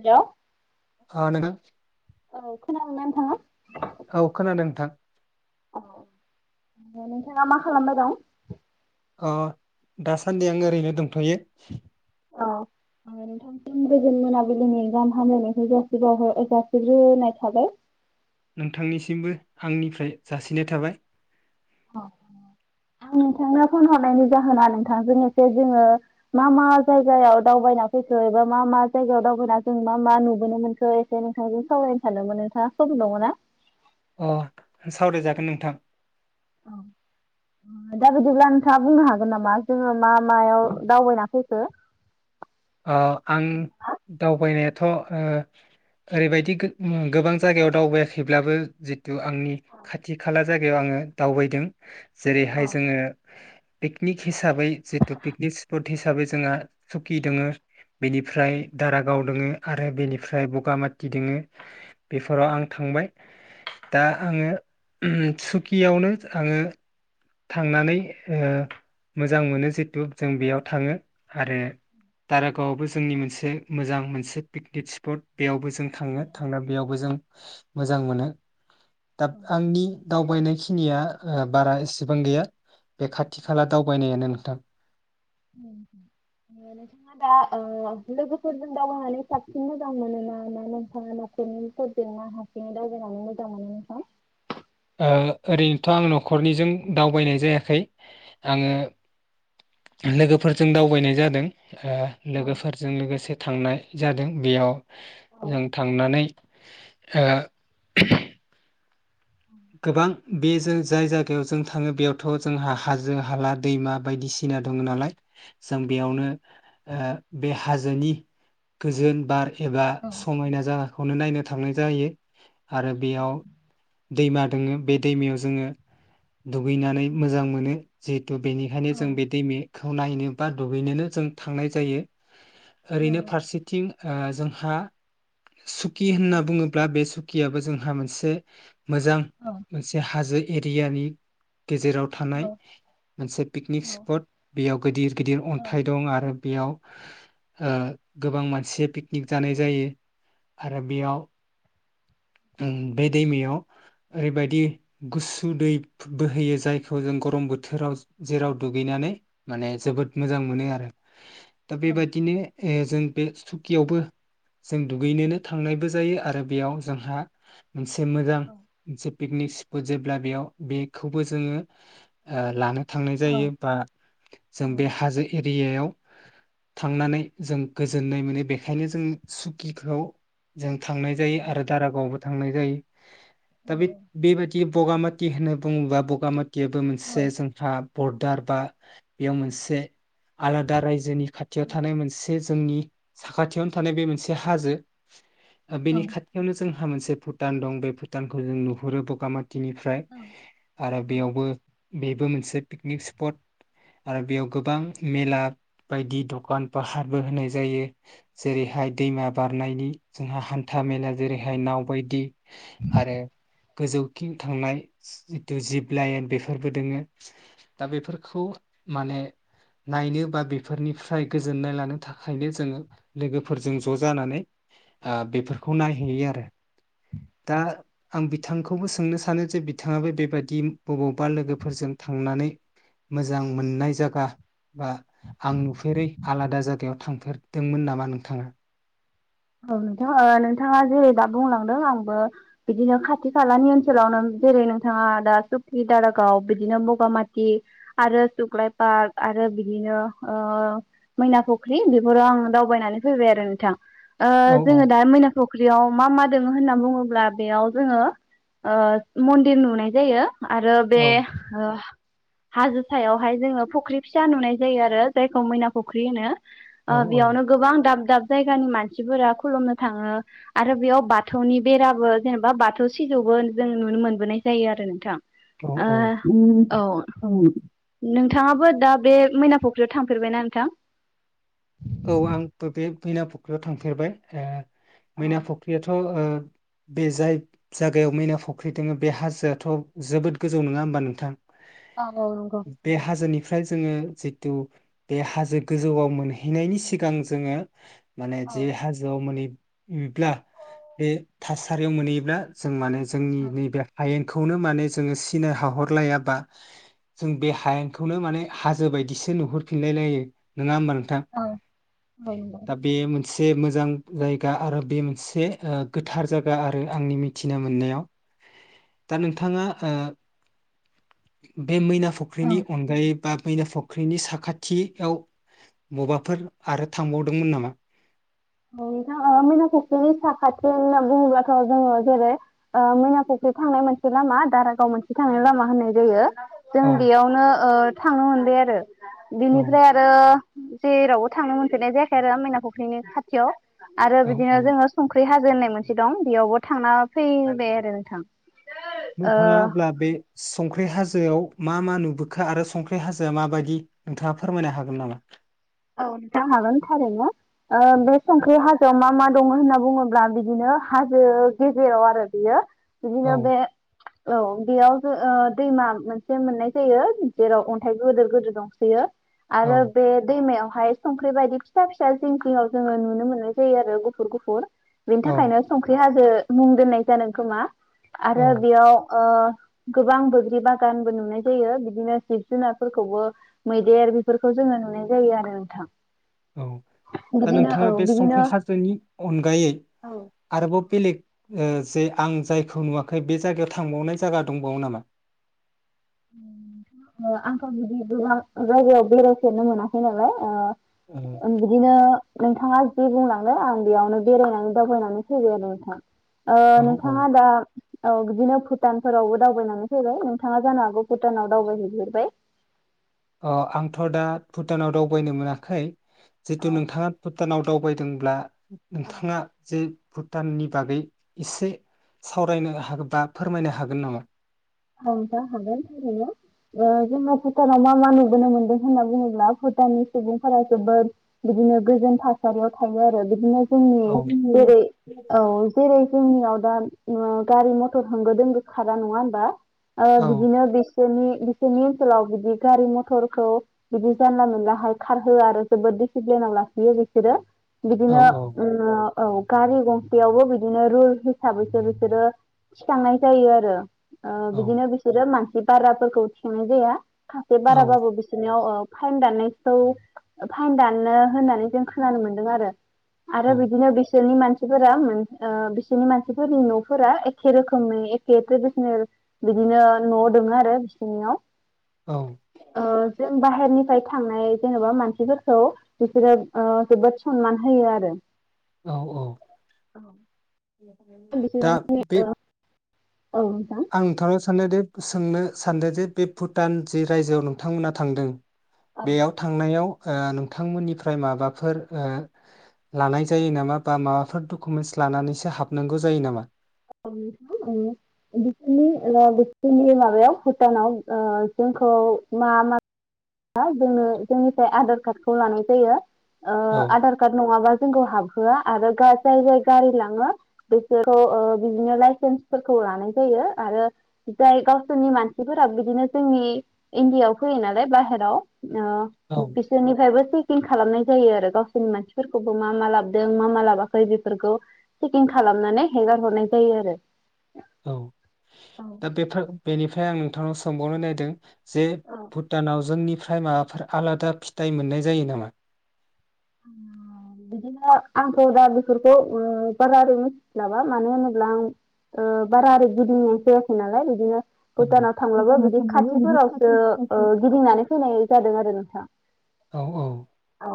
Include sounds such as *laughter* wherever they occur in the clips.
Hello ओ नोंथां औ खोनादोंना नोंथाङा? औ खोनादों नोंथां औ नोंथाङा मा खालामबाय दं? अ दासान्दि आं ओरैनो दंथ'यो। औ आङो नोंथांसिम गोजोन मोनाबिलिनि गाहाम हामलायनायखौ जासिबावहर जासिग्रोनाय थाबाय। नोंथांनिसिमबो आंनिफ्राय जासिनाय थाबाय। अ आं नोंथांनो फन हरनायनि जाहोना नोंथांजों एसे जोङो मा मा जायगायाव दावबायना फैखो एबा मा मा जायगायाव दावबायना जों मा मा नुबोनो मोनखो एसे नोंथांजों सावरायनो सानदोंमोन नोंथाङा सम दङ ना? अ सावरायजागोन नोंथां। अ दा बिदिब्ला नोंथाङा बुंनो हागोन नामा जोङो मा मायाव दावबायना फैखो? अ आं दावबायनाया थ ओ ओरैबायदि गो उम गोबां जायगायाव दावबायाखैब्लाबो जि थु आंनि खाथि खाला जायगायाव आङो दावबायदों। जेरैहाय जोङो पिकनिक हिसाबै जेतु पिकनिक स्पट हिसाबै जोंहा सुकि दङो। *inaudible* बेनिफ्राय दारागाव, दोङो आरो बेनिफ्राय बगामाति दोङो बेफोराव आं थांबाय दा आङो सुकियावनो आङो थांनानै ओ मोजां मोनो जितु जों बेयाव थाङो आरो दारागावआवबो जोंनि मोनसे मोजां मोनसे पिकनिक स्पट बेयावबो जों जों थाङो थांना बेयावबो जों मोजां मोनो। दाब आंनि दावबायनायखि निया ओ बारा एसेबां गैया। बे खाथि खाला दावबायनायानो नोंथां। उम नोंथाङा दा ओ लोगोफोरजों दावबायनानै साबसिन मोजां मोनो ना मा नोंथाङा न'खरनिफोरजों ना हारसिं दावबायनानै मोजां मोनो नोंथां? ओ ओरैनोथ' आं न'खरनिजों दावबायनाय जायाखै आङो लोगोफोरजों दावबायनाय जादों। ओ औ लोगोफोरजों लोगोसे थांनाय जादों बेयाव औ जों थांनानै *inaudible* गोबां बे जों जाय जाथायाव जों थाङो बेयावथ' जोंहा हाजो हाला दैमा बायदिसिना दङो नालाय जों बेयावनो ओ बे हाजोनि गोजोन बार एबा समायना जागाखौनो नायनो थांनाय जायो। आरो बेयाव दैमा दोङो बे दैमायाव जोङो दुगैनानै मोजां मोनो जे थ' बेनिखायनो जों बे दैमेखौ नायनो बा दुगैनोनो जों थांनाय जायो। ओरैनो फारसेथिं ओ जों हा *unintelligible* कि होनना बुङोब्ला बे सुकि कियाबो जोंहा मोनसे मोजां मोनसे हाजो एरियानि गेजेराव थानाय मोनसे पिकनिक स्पट बेयाव गिदिर गिदिर अन्थाइ दं आरो बेयाव ओ गोबां मानसि पिकनिक जानाय जायो आरो बेयाव ओम बे दैमायाव ओरैबायदि गुसु दै बोहैयो जायखौ जों गरम बोथोराव जेराव दुगैनानै माने जोबोद मोजां मोनो आरो दा बेबादिनो ए जों बे सुकियावबो जों दुगैनोनो थांनायबो जायो आरो बेयाव जोंहा मोनसे जि मोजां से पिकनिक स्पट जेब्ला बेयाव बेखौबो जोङो ओ लानो थांनाय जायो बा जों बे हाजो एरियायाव थांनानै जों गोजोननाय मोनो बेखायनो जों सुखिखौ जों थांनाय जायो आरो दारागावआवबो थांनाय जायो दा बि बेबादि बगामा थि होननाय बुङोबा बगामा बेबो मोनसे जोंहा बरडार बा बेयाव मोनसे आलादा रायजोनि खाथियाव थानाय मोनसे जोंनि साखाथियावनो थानाय बे मोनसे हाजो ओ बेनि खाथियावनो जो जोंहा मोनसे भुटान दं बे भुटान खौ जों नुहुरो बगामा थिनिफ्राय आरो बेयावबो बेबो मोनसे पिकनिक स्पट। आरो बेयाव गोबां मेला बायदि दखान फाहारबो होनाय जायो। जेरैहाय दैमा बारनायनि जोंहा हान्था मेला जेरैहाय नाव बायदि आरो गोजौखिं थांनाय जिथु जिब लाइन बेफोरबो दोङो। दा बेफोरखौ माने नायनो बा बेफोरनिफ्राय गोजोननाय लानो थाखायनो जोङो लोगोफोरजों ज' जानानै ओ बेफोरखौ नायहैयो आरो। दा आं बिथांखौबो सोंनो सानो जे बिथाङाबो बेबायदि बबावबा लोगोफोरजों थांनानै मोजां मोननाय जागा बा आं नुफेरै आलादा जागायाव थांफेरदोंमोन नामा नोंथाङा? औ नोंथां ओ नोंथाङा जेरै दा बुंलांदों आंबो बिदिनो खाथि खालानि ओनसोलावनो जेरै नोंथाङा दा सुखि, दारागाव बिदिनो बगामाथि आरो सुख्लाय पार्क आरो बिदिनो ओ मैना फुख्रि बेफोराव आं दावबायनानै फैबाय आरो नोंथां। ओ औ जोङो दा मैनाखौ फुख्रियाव मा मा दोङो होनना बुङोब्ला बेयाव जोङो ओ मन्दिर नुनाय जायो। आरो बे औ ओ हाजो सायावहाय जोङो फुख्रि फिसा नुनाय जायो आरो जायखौ मैना फुख्रि होनो। औ ओ बेयावनो गोबां दाब दाब जायगानि मान सिफोरा खुलुमनो थाङो। आरो बेयाव बाथौनि बेराबो जेनेबा बाथौ सिजौबो जों नुनो मोनबोनाय जायो आरो नोंथां। औ औ औ। थाङाबो दा बे मैना फख्रियाव थांफेरबायना नोंथां? औ आंथ' बे मैना फुख्रियाव थांफेरबाय। ओ मैना फुख्रियाथ' ओ बे जाय जायगायाव मैना फुख्रि दङो बे हाजोआथ' जोबोद गोजौ नङा होमबा नोंथां। औ औ नंगौ। फ्राय जोङो जिथु बे हाजो गोजौआव मोनहै नायनि सिगां जोङो माने जे हाजोआव माने ब्ला बे थासारियाव मोनहैयोब्ला जों माने जोंनि नैबे आयेन बेखौनो माने जोङो सिनाय हाहरलायाबा जों बे हायेनखौनो माने हाजो बायदिसो नुहरफिनलायलायो। नोङा होमबा नोंथां। दा बे मो नसे मोजां जायगा आरो बे मोनसे गोथार जायगा आरो आंनि मिथिनोमोननायाव। दा नोंथाङा बे मैना फुख्रिनि अनगायै बा मैना फुख्रिनि साखाथियाव बबा फोर आरो थांबावदोंमोन नामा? औ नोंथां मैना फुख्रियाबो सााखाथिआवनो नालाय बुङोबाथ' जोङो जेरै मैना फुख्रि थांनाय मोनसे लामा दारागाव मोनसे थांनाय लामा होननाय जायो। जों औ बेयावनो ओ थांनो मोनबाय आरो। औ बिनिफ्राय आरो जेरावबो थांनो मोनफेरनाय जायाखै आरो आ माइना फुख्रिनो खा थियाव आरो औ बिदिनो औ जोङो संख्रि हाजो होननाय मोन से दं बेयावबो थांना फैबाय आरो नोंथां। नोंथाङा ओ अब्ला बे संख्रि हा ह्जोआव मा मा नुबोखो आरो संख्रि हाजोआ माबायदि नोंथाङा फोरमायनो हागोन नामा? औ जा हागोन थारैनो बे संख्रि हाजोआव मा मा दङ' होनना बुङोब्ला बिदिनो हाजो गेजेराव आरो बियो औ बिदिनो बे औ बेयाव ज ओ दैमा मोनसे मोननाय जायो जेराव अन्थाइ गोदोर गोदोर दंसोयो। आरो औ बे दैमायावहाय संख्रि बायदि फिसा फिसा जिं जिङाव जोङो नुनो मोननाय जायो आरो गुफुर गुफुर। बेनि औ थाखायनो संख्रि हा जो मुं दोननाय जादों खोमा। आरो औ बेयाव ओ गोबां बैग्रि बागानबो नुनाय जायो। बिदिनो जिब जुनारफोरखौबो मैदेर बेफोरखौ जोङो नुनाय जायो आरो नोंथां। औ दा बिदिनो औ नोंथाङा बे बिदिनो संख्रि साजोनि अनगायै आरोबाव बेलेग ओ जे आं जायखौ नुवाखै बे जायगायाव थांबावनाय जायगा दंबावो नामा? ओ आंथ' बिदि गोबां जायगायाव बेरायफेरनो मोनाखै नालाय ओ ओ ओं बिदिनो नोंथाङा जे बुंलांदो आं बेयावनो बेरायनानै दावबायनानै फैबाय आरो नोंथां। ओ औ औ नोंथाङा दा औ बिदिनो भुटानफोरावबो दावबायनानै फैबाय। नोंथाङा जानो हागौ भुटानाव दावबाय हैगोरबाय। ओ आंथ' दा भुटानाव दावबायनो मोनाखै। औ जिथु नोंथाङा भुटानाव दावबायदोंब्ला औ नोंथाङा जे भुटाननि बागै एसे सावरायनो हागोन बा फोरमायनो हागोन नामा? औ नोंथां हागोन ओरैनो। ओ जोंङो भुटानाव मा मा नुबोनो मोनदों होनना बुङोब्ला भुटाननि सुबुंफोरा जोबोद बिदिनो गोजोन थासारियाव थायो आरो बिदिनो जोंनि औ जेरै औ जेरै जोंनियाव दा ओ गारि मथर होंगो दोंगो खारा नङा होनबा ओ औ बिदिनो बे बिसोरनि बिसोरनि ओनसोलाव बिदि गारि मथरखौ बिदि जानला मोनलाहाय खारहोआ आरो जोबोद डिसिप्लिनाव लाखियो बिसोरो। औ बिदिनो ओ औ गारि गंसेयावबो बिदिनो रुल हिसाबैसो बिसोरो थिखांनाय जायो आरो ओ औ बिदिनो बिसोरो मा। सि बाराफोरखौ थिखांंनाय जाया। सासे औ बाराबाबो बिसोरनियाव औ। फाइन दाननायखौ फाइन दाननो होननानै जों खोनानो मोन्दों आरो। औ आरो बिदिनो बिसोरनि मान सिफोरा ओ बिसोरनि मानसिफोरनि नफोरा एखे रोखोमै एखे ट्रेडिसेनेल बिदिनो नआव दङ आरो बिसोरनियाव औ। ओ जों बाहेरनिफ्राय थांनाय जेनबा मानसिफोरखौ बिसोरो ओ जोबोद सनमान होयो आरो। औ औ। दा बिसोरो बे औ नोंथां आं थांनो सानोदि सोंनो सानदो जे बे भुटान जि रायजोआव नोंथांमोना थांदों। ओ बेयाव थांनायाव। ओ नोंथांमोननिफ्राय माबाफोर ओ लानाय जायो नामा बा माबाफोर डकुमेन्स लानानैसो हाबनांगौ जायो नामा! *unintelligible* बिसोरनि माबायाव भुटानाव जोंखौ मा मा *unintelligible* जोंनो जोंनिफ्राय आधार कार्डखौ लानाय जायो। ओ औ आधार कार्ड नङाबा जोंखौ हाबहोआ। आरो गा जाय जाय गारि लाङो बिसोरखौ बिदिनो लाइसेन्सफोरखौ लानाय जायो आरो जाय गावसोरनि मानसिफोरा बिदिनो जोंनि इण्डियाआव फैयो नालाय बाहेर हेल'। *unintelligible* औ बिसोरनिफ्रायबो *unintelligible* चेकिं खालामनाय जायो आरो गावसोरनि मानसिफोरखौबो मा मा लाबोदों मा मा लाबाखै बेफोरखौ चेकिं खालामनानै हेंगार हरनाय जायो आरो। औ दा बेफोर बेनिफ्राय आं। *unintelligible* थांनाव सोंबावनो नायदों। जे भुटानाव जोंनिफ्रा *unintelligible* माबाफोर आलादा फिथाइ मोननाय जायो नामा। *unintelligible* बिदिनो आंथ' दा बेफोरखौ बारा आरै मिथिस्लाबा मानो होनोब्ला आं बारा आरै गिदिंना जायाखै नालाय बिदिनो। औ भुटानाव थांब्लाबो बिदि खाथिफोरावसो ओ गिदिंनानै फैनाय जादों आरो। *unintelligible* औ औ। औ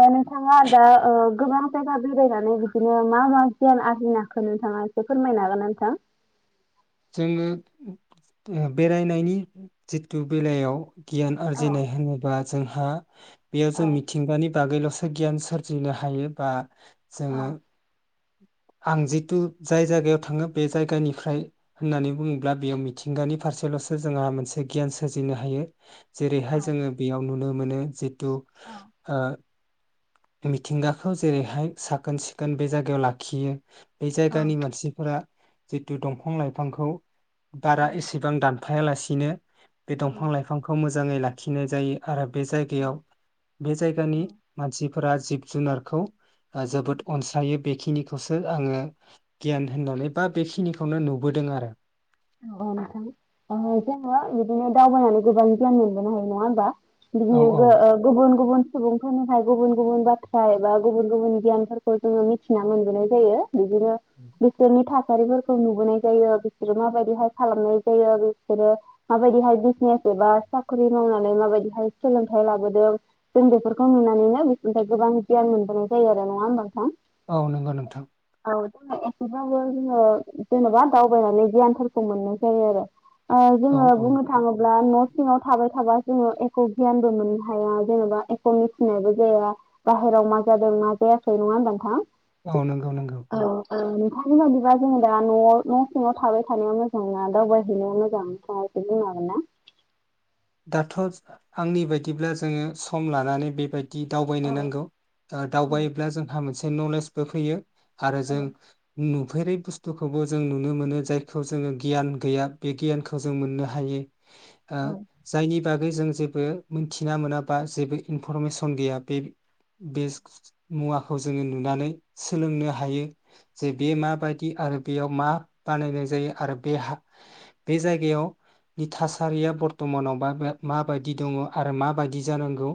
ओ नोंथांङा दा ओ। गोबां जायगा बेरायनानै बिदिनो मा मा गियान आरजिनो हाखो नोंथाङा एसे फोरमायनो हागोनना नोंथां। जोङो ओ बेरायनायनि जिथु बेलायाव। गियान आरजि औ नायहोनोबा। जोंहा। बेयाव औ जों मिथिंगानि बागैलसो गियान सोरजिनो हायो बा जोंङो आं जितु जाय जायगायाव थांङो बे जायगानिफ्राय होननानै बुंङोब्ला बेयाव मिथिंगानि फारसेलसो जोंहा मोनसे गियान सोरजिनो हायो जेरैहाय जोंङो बेयाव नुनो मोनो जे *unintelligible* ओ मिथिंगाखौ जेरैहाय साखोन सिखोन बे जायगायाव लाखियो बे जायगानि मानसिफोरा जिथु दंफां लाइफां फांखौ बारा एसेबां दान फायालासिनो बे दंफां लाइफांखौ मोजां मोजांङै लाखिनाय जायो आरो बे जायगायाव बे जायगानि मानसि फोरा जिब जुनारखौ ओ जोबोद अनसायो बेखिनिखौसो आंङो गियान होननानै बा बेखिनिखौनो नु बोदों आरो अ नोंथां ओ जोंङो बिदिनो दावबायनानै गोबां गियान मोनबोनो हायो नंङा होमबा औ औ बियोबो ओ गुबुन-गुबुन सुबुंफोरनिफ्राय गुबुन गुबुन बाथ्रा एबा गुबुन- गुबुन गियानफोरखौ जोंङो मिथिना मोनबोनाय जायो। बिदिनो बिसोरनि थाखा थासारि नुबाय जायो बिसोरो माबायदि बिदिहाय खालामनाय जायो बिसोरो माबायदिहाय बिजनेस एबा साखरि मावनानै माबायदिहाय सोलोंथायाइ लाबोदों जों बेफोरखौ नुनानैनो बिसोरनिफ्राय गोबां गियान मोनबोनाय जायो आरो नंङा होमबानोंथां औ नंगौ नोंथां। औ जों एसेबाबो जोंङो जेनेबा दावबायनानै गियान फोर खो मोननायजायो आरो ओ औ जोङो औ बुंनो थांङोब्ला न सिङाव थाबाय थाबा जोंङो एख' गियानबो मोननो हाया जेनबा एख मिथिनायबो जाया बाहेराव मा जादों मा जायाखै नंङा होनब नोंथां। औ नंगौ-नंगौ ओ नोंथांनि बाददिबा जोंङो दा नआव न सिङाव थाबाय थानाया मोजां दावबाय हैनाया मोनोजां नोंथाङा एसे बुंनो हागोना। दाथ आंनि बायदिब्ला जोंङो सम लानानै बेबायदि दि दावबायनो नांगौ दावबायोब्ला जोंहा मोनसे नलेजबो फैयो। आरो जों नु फेरै बुस्थुखौबो जों नुनो मोनो जायखौ जोङो गियान गैया बे गियानखौ जों मोननो हायो। आ नि बागै जों जेबो मिथिना मोनाबा जेबो इनफरमेसन गैया बे-बे मुवाखौ जोङो नुनानै सोलोंनो हायो। जे बे माबायदि आरो बेयाव मा बानायनाय जायो आरो बेहा बे जायगायाव नि थासारिया बर्थमानावबा *unintelligible* माबायदि दङ आरो माबायदि जानांगौ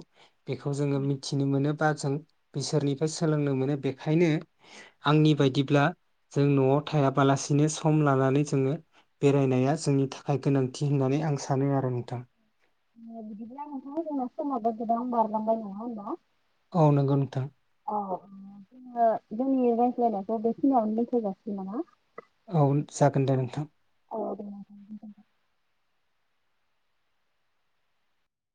बेखौ जोङो मिथिनो मोनो। बा जों बिसोरनिफ्राय सोलोंनो मोनो बेखायनो आंनि बायदिब्ला जों न'आव थायाबालासिनो सम लानानै जोङो बेरायनाया जोंनि थाखाय गोनांथि होननानै आं सानो आरो। *unintelligible* बिदिब्ला नोंथां जोंना समाबो गोबां बारलांबाय नङा होमबा। औ नंगौ नोंथां। अ जोङो जोंनि रायज्लायनायखौ बेखिनियावनो दोनथ जासिगोन नामा। जागोनदे नोंथां। औ दे। *unintelligible*